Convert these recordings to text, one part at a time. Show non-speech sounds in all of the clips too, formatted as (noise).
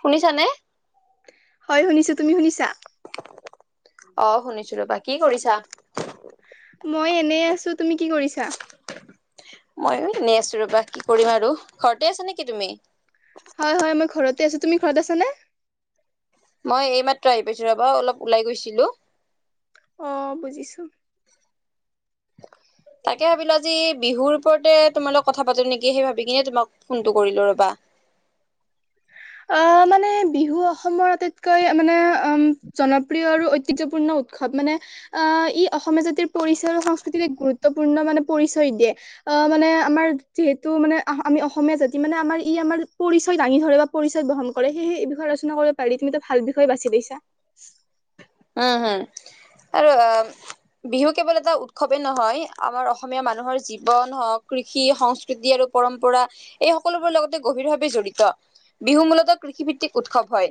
শুনিছানে? হয় শুনিছোঁ তুমি শুনিছা? অ শুনিছোঁ ৰবা কি কৰিছা? মই এনেই আছোঁ তুমি কি কৰিছা? মই এনেই আছোঁ ৰবা কি কৰিম আৰু ঘৰতে আছা নেকি তুমি? হয়, হয়, মই ঘৰতে আছোঁ তুমি ঘৰত আছানে? মই এইমাত্ৰ আহি পাইছো ৰবা অলপ ওলাই গৈছিলো আহ বুজিছো তাকে ভাবিলো আজি বিহুৰ ওপৰতে তোমাৰ লগ কথা পাতো নেকি সেই ভাবি কিনে তোমাক ফোনটো কৰিলো ৰবা (inaudible) আহ মানে বিহু অসমৰ আটাইতকৈ মানে উম। জনপ্ৰিয় আৰু ঐতিহ্যপূৰ্ণ উৎসৱ মানে আহ ই অসমীয়া জাতিৰ পৰিচয় আৰু সংস্কৃতিৰ এক গুৰুত্বপূৰ্ণ মানে পৰিচয় দিয়ে। মানে আমাৰ যিহেতু মানে আমি অসমীয়া জাতি মানে আমাৰ ই আমাৰ পৰিচয় দাঙি ধৰিব পৰিচয় বহন কৰে সেই বিষয়ে আলোচনা কৰিব পাৰি তুমিতো ভাল বিষয়ে বাছি দিছা। উম! হম আৰু বিহু কেৱল এটা উৎসৱে নহয় আমাৰ অসমীয়া মানুহৰ জীৱন হওঁক, কৃষি সংস্কৃতি আৰু পৰম্পৰা এই সকলোবোৰৰ লগতে গভীৰভাৱে জড়িত। বিহু মূলতঃ কৃষিভিত্তিক উৎসৱ হয়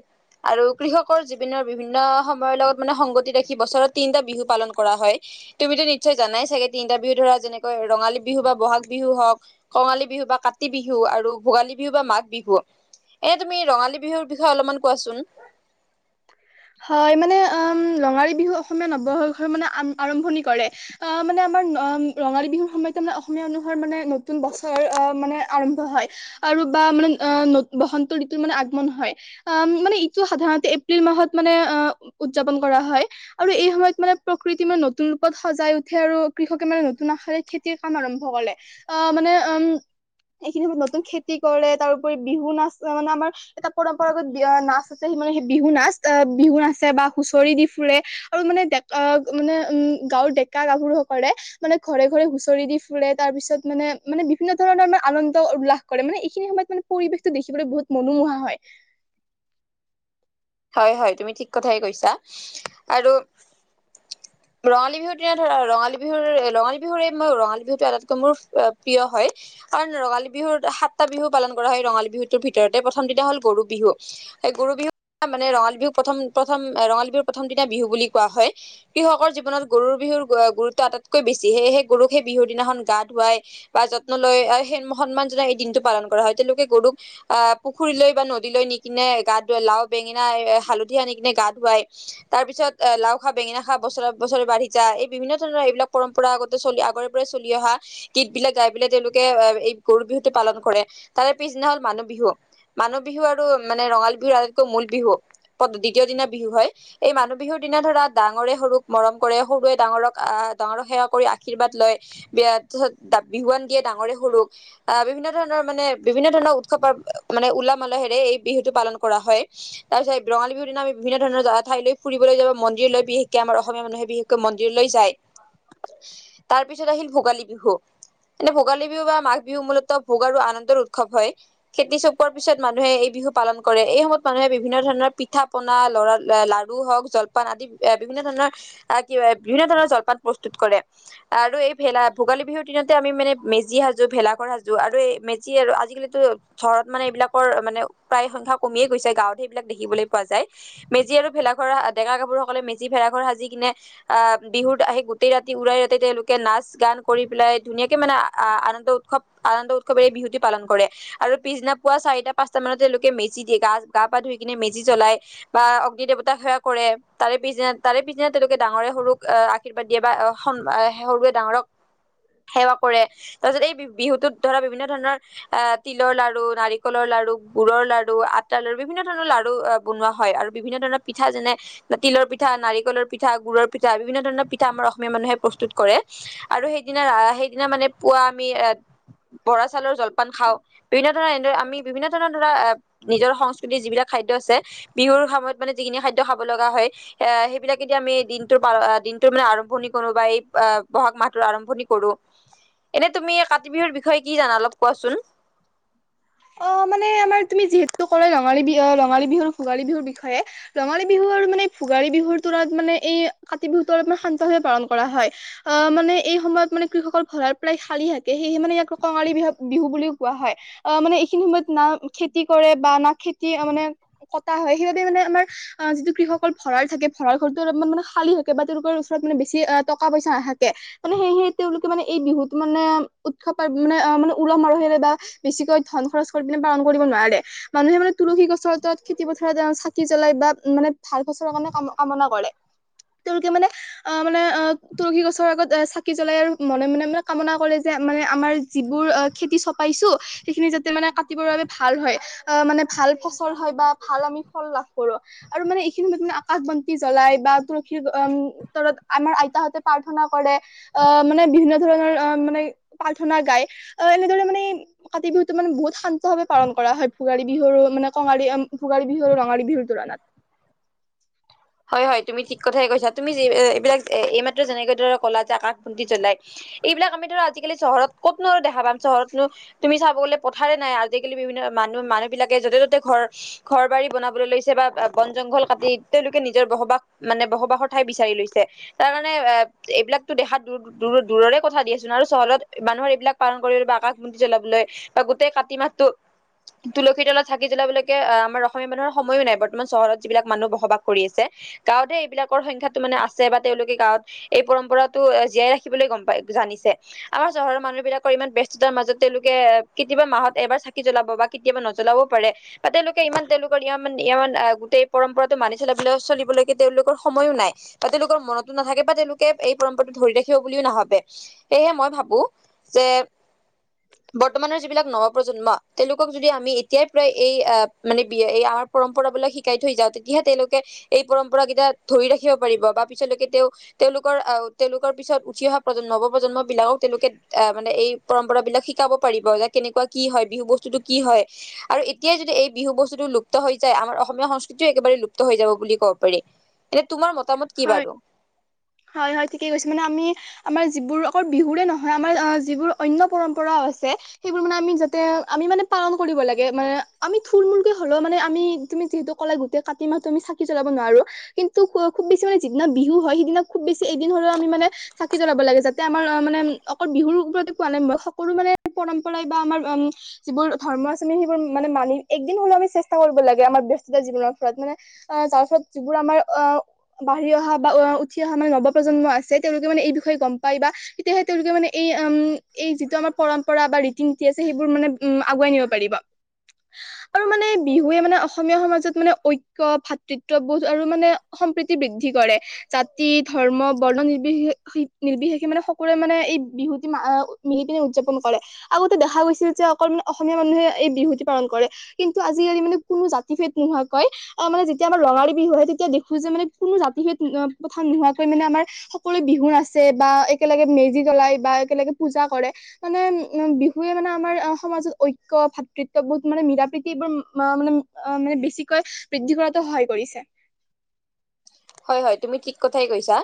আৰু কৃষকৰ জীৱনৰ বিভিন্ন সম- য় লগত মানে সংগতি ৰাখি বছৰত তিনিটা বিহু পালন কৰা হয়। তুমিটো নিশ্চয় জানাই চাগে তিনিটা বিহু ধৰা। যেনেকৈ ৰঙালী বিহু বা বহাগ বিহু হওক। কঙালী বিহু বা কাতি বিহু আৰু ভোগালী বিহু বা মাঘ বিহু। এনে তুমি ৰঙালী বিহুৰ বিষয়ে অলপমান কোৱাচোন হয় মানে উম (unintelligible) ৰঙালী বিহু অসমীয়া নৱসৰখৰ মানে আম আৰম্ভণি কৰে। আহ মানে আমাৰ অহ ৰঙালী বিহুৰ সময়তে। মান মানে ন বছ মানেম্ হয় আৰু বা মানে ব ঋতু মানে আগমন হয় আহ মানে ইটো সাধাৰণতে এপ্ৰিল মাহত। মানে অ উদযাপন কৰা হয় আৰু এই সময়ত মানে প্ৰকৃতি মানে নতুন ৰূপত সজাই উঠে আৰু। কৃষকে মানে নতুন আশাৰে খেতিৰ কাম আৰম্ভ কৰেলে আহ মানে উম এইখিনিত নতুন খেতি কৰে তাৰোপৰি বিহু নাচ মানে আমাৰ এটা পৰম্পৰাগত বি নাচ আছে। মানেই বিহু নাচ এ বিহু নাছে বা হুঁচৰি দি ফুৰে আৰু মানে ডেকা মানে উম গাঁৱৰ ডেকা গাভৰু। কৰে মানে ঘৰে ঘৰে হুচৰি দি ফুৰে তাৰ পিছত মানে মানে বিভিন্ন ধৰণৰে আনন্দ উল্লাস কৰে। মানে এইখিনি সময়ত মানে পৰিৱেশতো দেখিবলৈ বহুত মনোমোহা হয়। হয় হয় তুমি ঠিক কথাই কৈছা আৰু (unintelligible) ৰঙালী বিহুৰ দিনা ধৰা, ৰঙালী বিহুৰ ৰঙালী বিহুৰে মই ৰঙালী বিহুটো আটাইতকৈ মোৰ প্ৰিয় হয়। কাৰণ ৰঙালী বিহুৰ সাতটা বিহু পালন কৰা হয়। ৰঙালী বিহুটোৰ ভিতৰতে প্ৰথম দিটা হ'ল গৰু বিহু। সেই গৰু বিহু মানে ৰঙালী বিহুক প্ৰথম প্ৰথম ৰঙালী বিহুৰ প্ৰথম দিনা বিহু বুলি কোৱা হয় কৃষকৰ জীৱনত গৰুৰ বিহুৰ গুৰুত্ব আটাইতকৈ বেছি সেই গৰুক সেই বিহু দিনাখন গা ধুৱাই বা যত্ন লয় আহ। সন্মান জনক এই দিনটো পালন কৰা হয়। তেওঁলোকে গৰুক আহ পুখুৰীলৈ বা নদীলৈ নি কিনে গা ধোৱাই, লাও বেঙেনা, হালধি আনি কিনে গা ধুৱাই। তাৰ পিছত অ লাও খা বেঙেনা খা বছৰে বৰে বাঢ়ি যা এই বিভিন্ন ধৰণৰ এইবিলাক পৰম্পৰা আগতে চলি আগৰে পৰাই চলি অহা গীতবিলাক গাই পেলাই তেওঁলোকে আহ এই গৰু বিহুতটো পালন কৰে তাৰে পিছদিনা হল মানুহ বিহু মানুহ বিহু আৰু মানে ৰঙাল বিহু আৰু মূল বিহু দ্বিতীয় দিনা বিহু হয় এই মানুহ বিহুৰ দিনা ধৰা ডাঙৰে সৰুক মৰম কৰে। সৰু সৰুৱে ডাঙৰক আহ ডাঙৰক সেৱা কৰি আশীৰ্বাদ লয় তাৰছত বিহুৱান দিয়ে ডাঙৰে সৰুক আহ বিভিন্ন ধৰণৰ মানে বিভিন্ন ধৰণৰ উৎসৱ প মানে উলাহ মালহেৰে এই বিহুটো পালন কৰা হয়। তাৰ পিছত ৰঙালী বিহু দিনা আমি বিভিন্ন ধৰণৰ জেগা ঠাইলৈ ফুৰিবলৈ যাব মন্দিৰলৈ বিশেষকৈ আমাৰ অসমীয়া মানুহে বিশেষকৈ মন্দিৰলৈ যায়। তাৰ পিছত আহিল ভোগালী বিহু। এনে ভোগালী বিহু বা মাঘ বিহু মূলতঃ ভোগ আৰু আনন্দৰ উৎসৱ হয়। খেতি চপোৱাৰ পিছত মানুহে এই। বিহু পালন কৰে, এই সময়ত। মানুহে বিভিন্ন ধৰণৰ পিঠা পনা লৰা লডাৰু হওক জলপান আদি এ বিভিন্ন ধৰণৰ আহ কিব বিভিন্ন ধৰণৰ জলপান প্ৰস্তুত কৰে আৰু এই ভা ভোগালী বিহুৰ দিনতে আমি মানে মেজি সাজো ভ বিলাকৰ সাজু আৰু এই মেজি আৰু আজিকালিটো ৰত মানে এইবিলাকৰ মানে প্ৰায় সংখ্যা কমিয়েই গৈছে গাঁৱত সেইবিলাক দেখিবলৈ পোৱা যায় মেজি আৰু ভেলাঘৰ ডেকা গাৰু সকলে মেজি ভেলাঘৰ সাজি কিনে। আহ বিহুত আহি গোটেই ৰাতি উৰাই ৰাতি তেওঁলোকে নাচ গান কৰি পেলাই ধুনীয়াকে মানে আনন্দ। উৎসৱ আনন্দ উৎসৱে এই বিহুটি পালন কৰে আৰু পিছদিনা পুৱা চাৰটা পাঁচটা মানত তেওঁলোকে মেচি দিয়ে। গা গা পা ধুই কিনে মেজি জ্বলাই বা অগ্নি দেৱতাক সেৱা কৰে তাৰে পিছদিনা তাৰে পিছদিনা তেওঁলোকে ডাঙৰে সৰুক আহ আশীৰ্বাদ দিয়ে বা সৰুৱে ডাঙৰক সেৱা কৰে। তাৰ পিছত এই বিহুটোত ধৰা বিভিন্ন ধৰণৰ এ তিলৰ লাৰু, নাৰিকলৰ। লাৰু গুুৰৰ লাৰু আ বিভিন্ন ধৰণৰ লাৰু আহ বনোৱা হয় আৰু বিভিন্ন ধৰণৰ পিঠা যেনে তিলৰ পিঠা, নাৰিকলৰ পিঠা গুৰু পিঠা বিভিন্ন ধৰণৰ পিঠা আমাৰ অসমীয়া মানুহে প্ৰস্তুত কৰে আৰু সেই দিনা সেই দিনা পোৱা আমি। এ বৰা চাউলৰ জলপান খাওঁ। বিভিন্ন ধৰণৰ এনেদৰে আমি বিভিন্ন ধৰণৰ ধৰা আ। নিজৰ সংস্কৃতিৰ যিবিলাক খাদ্য আছে বিহুৰ সময়ত মানে যিখিনি খাদ্য খাব লগা হয় এ সেইবিলাকেদি আমি আমি দিনটোৰ দিনটো মানে আৰম্ভণি কৰো বা এই বহাগ মাহটোৰ আৰম্ভণি কৰো এনে তুমি কাতি বিহুৰ বিষয়ে কি জানা অলপ কোৱাচোন? অ মানে আমাৰ তুমি যিহেতু ক'লে ৰঙালী বি ৰঙালী বিহু ভোগালী বিহুৰ বিষয়ে ৰঙালী বিহু আৰু মানে ভোগালী বিহুৰ টোৰত মানে এই কাতি বিহুতো অলপমান শান্তভাৱে পালন কৰা হয়। অ মানে এই সময়ত মানে। কৃষকৰ ভঁৰাল প্ৰায় খালী থাকে সেয়েহে মানে ইয়াক কঙালী বিহু বিহু বুলিও কোৱা হয় অ মানে স খিনি সময়ত না খেতি কৰে বা না খেতি মানে কটা হয় সেইবাবে মানে আমাৰ যিটো কৃষ। সকল ভৰাই থাকে ভৰাল ঘৰতো অলমান মানে খালী থাকে বা তেওঁলোকৰ ওচৰত মানে বেছি টকা পইা নাথাকে মানে। সেই তেওঁলোকে মানে এই বিহুত মানে উৎসৱ পায় মানে অ মানে উলহ মাৰহেৰে বা বেছিকৈ। ধন খৰচ কৰি পিনে পাৰণ কৰিব নোৱাৰে মানুহে মানে তুলসী গছৰত। খেতি পথাৰত চাকি জ্বলাই বা মানে ভাল বছৰৰ কাৰণে কাম কামনা কৰে। তেওঁলোকে মানে অ মানে অ তুলসী গছৰ আগত চাকি জ্বলাই মনে মনে মনে কামনা কৰে যে মানে আমাৰ যিবোৰ খেতি চপাইছো সেইখিনি যাতে মানে কাটিবৰ বাবে ভাল হয়। আহ মানে ভাল ফচল হয় বা ভাল আমি ফল লাভ কৰো। আৰু মানে এইখিনি মানে আকাশ বন্তি জ্বলাই বা তুলসীৰম তলত আমাৰ আইতাহতে প্ৰাৰ্থনা কৰে। আহ মানে বিভিন্ন ধৰণৰ অ মানে প্ৰাৰ্থনা গাই আহ এনেদৰে মানে কাতি বিহুত মানে বহুত শান্ত ভাৱে পালন কৰা হয় বিহুৰ মানে কঙালী ভোগালী বিহু আৰু ৰঙালী বিহুৰ তুলনাত। হয় হয় তুমি ঠিক কথাই কৈছা তুমি যে এইবিলাক এইমাত্ৰ যেনেকে কলা যে আকাশ বন্তি জ্বলাই। এইবিলাক আমি ধৰা আজিকালি চহৰত কতনো আৰু দেখা পাম। চহৰতনো তুমি চাব গলে পথাৰে নাই আজিকালি বিভিন্ন মান। মানুহ বিলাকে যতে ত'তে ঘৰ। ঘৰ বাৰী বনাবলৈ লৈছে বা বন জংঘল কাটি। নিজৰ বসবাস মানে বসবাসৰ ঠাই বিচাৰি লৈছে তাৰ কাৰে এইবিলাকতো দেখা দূ দূ দূৰৰে কথা দিয়াচোন আৰু চহৰত মানুহৰ এইবিলাক পালন কৰি বা আকাশবন্তি জ্বলাবলৈ বা গোটেই কাতি মাহটো তুলসী তলত থাকি জ্বলাবলৈকে আমাৰ অসমীয়া মানুহৰ সময়ো নাই বৰ্তমান চহৰত যিবিলাক মানুহ বসবাস কৰি আছে গাঁৱতহে এইবিলাকৰ সংখ্যাটো মানে আছে বা তেওঁলোকে গাঁৱত এই পৰম্পৰাটো জীয়াই ৰাখিবলৈ। গম পাই জানিছে আমাৰ চহৰৰ মানুহ বিলাকৰ ইমান ব্যস্ততাৰ মাজত তেওঁলোকে কেতিয়াবা মাহত এবাৰ চাকি। জলাব বা কেতিয়াবা নজলাবও পাৰে বা তেওঁলোকে ইমান তেওঁলোকৰ ই ইমান গোটেই পৰম্পৰাতটো মানি খেল বিলাক চলিবলৈকে তেওঁলোকৰ সময়ো নাই বা তেওঁলোকৰ মনতো নাথাকে বা তেওঁলোকে এই পৰম্পৰাটো ধৰি ৰাখে। থিয় বুলিও নাভাবে সেয়হে মই ভাবো যে বৰ্তমানৰ যিবিলাক নৱপ্ৰজন্ম তেওঁলোকক যদি আমি এতিয়াই প্ৰায় এই মানে বি এ আ। পৰম্পৰাবিলাক শিকাই থৈ যাওঁ। তেতিয়াহে তেওঁলোক। এই পৰম্পৰা কেইটা ধৰি ৰাখিব পাৰিব বা পিছলৈকে তেওঁ তেওঁলোকৰ আহ তেওঁলোকৰ পিছত উঠি অহা। প্ৰন্ম নৱ প্ৰজন্ম বিলাকক তেওঁলোকে আহ মানে এই পৰম্পৰা বিলাক শিকাব পাৰিব যে কেনেকুৱা কি হয় বিহু বস্তু। টো কি হয় আৰু এতিয়াই যদি এই বিহু বস্তুতটো লুপ্ত হৈ যায় আমাৰ অসমীয়া সংস্কৃতিও একেবাৰে লুপ্ত। হৈ যাব বুলি ক'ব পাৰি। এনে তোমাৰ মতামত কি হয় বাৰু হয় হয় ঠিকে কৈছে মানে আমি আমাৰ যিবোৰ আকৌ বিহুৰে নহয়। আমাৰ যিবোৰ অন্য পৰম্পৰাও আছে। সেইবোৰ মানে আমি যাতে আমি মানে পালন কৰিব লাগে মানে আমি থুলমূলকৈ হলেও মানে আমি তুমি যিহেতু। কলে গোটেই কাটি মাহ টো আমি চাকি জ্বলাব নোৱাৰো। কিন্তু খুব বেছি মানে যিদিনা বিহু হয় সিদিনা খুব বেছি এদিন হলেও আমি মানে চাকি জলাব লাগে। যাতে আমাৰ অ মানে অকল। বিহুৰ ওপতে পালে মই সকলো মানে পৰম্পৰাই বা আমাৰ উম যিবোৰ ধৰ্ম আছে আমি সেইবোৰ মানে মানি। একদিন হলেও আমি চেষ্টা কৰিব লাগে আমাৰ ব্যস্ততা জীৱনৰ ফৰত মানে তাৰ ফলত যিবোৰ আমাৰ অ বাঢ়ি অহা বা উঠি অহা মানে নৱপ্ৰজন্ম আছে তেওঁলোকে মানে এই বিষয়ে গম পায় বা তেতিয়াহে তেওঁলোকে মানে এই উম এই যিটো আমাৰ পৰম্পৰা বা ৰীতি নীতি আছে সেইবোৰ মানে উম আগুৱাই নিব পাৰিব আৰু মানে বিহুৱে মানে অসমীয়া সমাজত মানে ঐক্য ভাতৃত্ব বোধ আৰু মানে সম্প্ৰীতি বৃদ্ধি কৰে। জাতি, ধৰ্ম, বৰ্ণ নিৰ্বশেষ নিৰ্বশেষে মানে সকলোৱে মানে এই- বিহু মিলি পিনে উদযাপন কৰে। আগতে দেখা গৈছিল যে অকল অসমীয়া মানুহে এই বিহুটি পালন কৰে। কিন্তু আজি কালি মানে কোনো জাতি ভেদ নোহোৱাকৈ আহ মানে যেতিয়া আমাৰ ৰঙালী বিহু হয়ে তেতিয়া দেখো যে মানে কোনো জাতি ভেদ প্ৰথা নোহোৱাকৈ মানে আমাৰ সকলোৱে বিহু আছে বা একেলগে মেজি জ্বলাই বা বা একেলগে পূজা কৰে। মানে উম বিহুৱে মানে আমাৰ সমাজত ঐক্য ভাতৃত্ববোধ মানে মিলা প্ৰীতিবোৰ মা মানে মানে বেছিকৈ বৃদ্ধি কৰাতো সহায় কৰিছে। (inaudible) হয় হয় তুমি ঠিক কথাই কৈছা।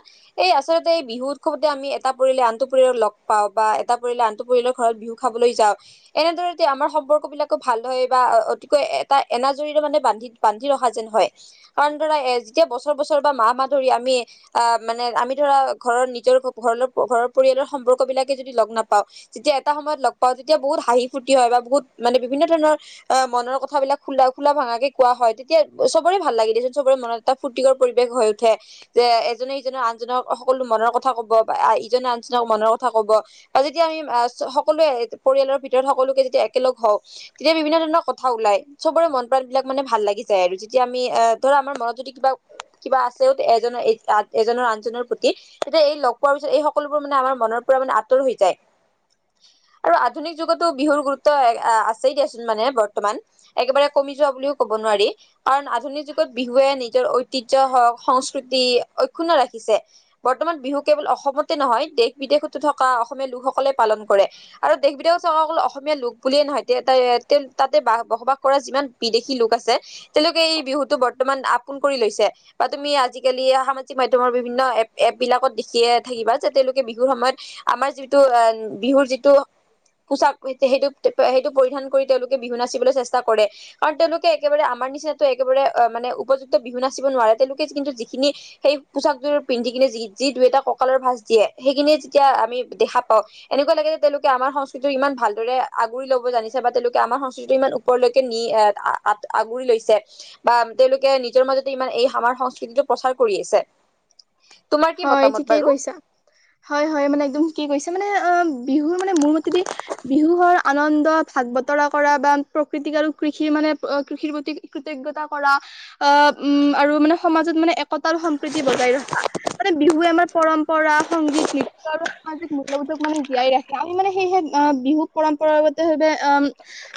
এই আচলতে এই বিহু উৎসৱতে আমি এটা পৰিয়ালে আনটো পৰিয়ালক লগ পাওঁ বা এটা পৰিয়ালে আনটো পৰিয়ালৰ ঘৰত বিহু খাবলৈ যাও এনেদৰে আমাৰ সম্পৰ্ক বিলাকো ভাল হয় বা অতিকৈ এটা এনাজৰিৰে মানে বান্ধি বান্ধি ৰখা যেন হয় কাৰণ ধৰা এ যেতিয়া বছৰ বছৰ বা মাহ মাহ ধৰি আমি আহ মানে আমি ধৰা ঘৰৰ নিজৰ ঘৰ ঘৰৰ পৰিয়ালৰ সম্পৰ্ক বিলাকে যদি লগ নাপাওঁ। যেতিয়া এটা সময়ত লগ পাওঁ তেতিয়া বহুত হাঁহি ফূৰ্তি হয় বা বহুত মানে বিভিন্ন ধৰণৰ অ মনৰ কথাবিলাক খোলা খোলা ভাঙাকে কোৱা হয় তেতিয়া চবৰে ভাল লাগিল দেচোন চবৰে মনত এটা ফুৰ্তি পৰিৱেশ হৈ উঠে। যে এজনে সিজনৰ আনজনক সকলো মনৰ কথা কব বা ইজনে আনজনক মনৰ ক কথা কব যতিয়া আমি সকলোৱে পৰিয়ালৰ ভিতৰত সকলোকে যদি একেলগ হওঁ। তেতিয়া বিভিন্ন কথা ওলাই চবৰে মন প্ৰাণ বিলাক মানে ভাল লাগি যায় আৰু যেতিয়া আমি ধৰা আমাৰ মনত যদি কিবা কিবা আছেও এজনৰ এজনৰ আনজনৰ প্ৰতি তেতিয়া এই লগ পোৱাৰ পিছত এই সকলোবোৰ মানে আমাৰ মনৰ পৰা মানে আঁতৰ হৈ যায়। আৰু আধুনিক যুগতো বিহুৰ গুৰুত্ব আছেই দিয়াচোন। মানে বৰ্তমান একেবাৰে কমি যোৱা বুলিও ক'ব নোৱাৰি কাৰণ আধুনিক যুগত বিহুৱে নিজৰ ঐতিহ্য হওক সংস্কৃতি অক্ষুন্ন ৰাখিছে বৰ্তমান বিহু কেৱল অসমতে নহয় দেশ বিদেশ বিদেশতো থকা অসমীয়া লোকসকলে পালন কৰে আৰু দেশ বিদেশত থকাঁসকল অসমীয়া লোক বুলিয়ে নহয় এতিয়া এটা এ তেওঁ তাতে বাস বসবাস কৰা যিমান বিদেশী লোক আছে। তেওঁলোকে এই বিহুতটো বৰ্তমান আপোন কৰি লৈছে। ছে বা তুমি আজিকালি সামাজিক মাধ্যমৰ বিভিন্ন এ এপ বিলাকত সিয়ে থাকিবা যে তেওঁলোকে বিহুৰ সময়ত আমাৰ যিটো বিহুৰ যিটো পোচাক পিন্ধে সেইটো সেইটো পৰিধান কৰি তেওঁলোকে বিহু নাচিবলৈ চেষ্টা কৰে কাৰণ তেওঁলোকে একেবাৰে আমাৰ নিচিনা একেবাৰে মানে উপযুক্ত বিহুনাচ নাচিব নোৱাৰে তেওঁলোকে কিন্তু যিখিনি সেই পোচাকযোৰ পিন্ধি কিনে যি যি দুই এটা কঁকালৰ ভাজ দিয়ে সেইখিনি যেতিয়া আমি দেখা পাও। এনেকুৱা লাগে যে তেওঁলোকে আমাৰ সংস্কৃতিৰ ইমান ভালদৰে আগুৰি লব জানিছে বা তেওঁলোকে আমাৰ সংস্কৃতিটো ইমান ওপৰলৈকে নি এ আগুৰি লৈছে বা তেওঁলোকে নিজৰ মাজত ইমান এই আমাৰ সংস্কৃতিটো প্ৰচাৰ কৰি আছে। তোমাৰ কি হয় মতামত ঠিকেই বাৰু কৈছা হয় হয় মানে তুমি কি কৈছা মানে আপ কি কৈছা মানে আ বিহুৰ মানে মোৰ মতেদি বিহুৰ আনন্দ ভাগ বতৰা কৰা বা প্ৰকৃতিক আৰু কৃষিৰ মানে কৃষিৰ প্ৰতি কৃতজ্ঞতা কৰা। অ উম আৰু মানে সমাজত মানে সন্তাল সম্প্ৰীতি বজাই ৰখা মানে বিহুৱে আমাৰ পৰম্পৰা সংগীত নৃত্য আৰু সামাজিক মূল্যবোধ বিহুক মানে জীয়াই ৰাখে আৰু মানে সেই বিহু পৰম্পৰাগতভাৱে অ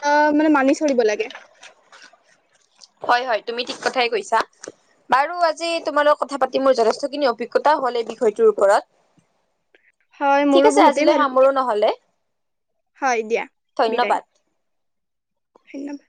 অ মানে মানি চ- দিব লাগে। হয় হয় তুমি ঠিক কথাই কৈছা। বাৰু আজি তোমালোক কথা পাতি মোৰ যথেষ্টখিনি অভিজ্ঞতা হ'ল এই বিষয়টোৰ ওপৰত। হয় মোৰো ঠিক আছে বহুতেই আজিলৈ ভাল লাগে সামৰো নহলে। হয় দিয়া ধন্যবাদ। বিদায়। ধন্যবাদ।